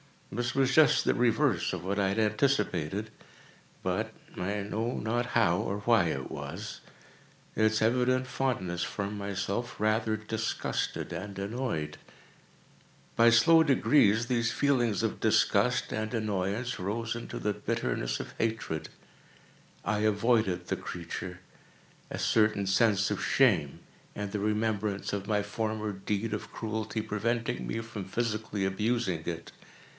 This was just the reverse of what I had anticipated; but—I know not how or why it was—its evident fondness for myself rather disgusted and annoyed. By slow degrees, these feelings of disgust and annoyance rose into the bitterness of hatred. I avoided the creature; a certain sense of shame, and the remembrance of my former deed of cruelty, preventing me from physically abusing it.